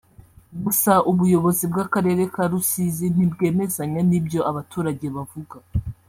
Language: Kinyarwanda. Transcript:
gusa ubuyobozi bw’Akarere ka Rusizi ntibwemezanya n’ibyo abaturage bavuga